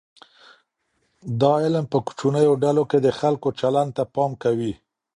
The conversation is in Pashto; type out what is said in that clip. دا علم په کوچنیو ډلو کې د خلګو چلند ته پام کوي.